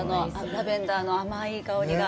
ラベンダーの甘い香りが。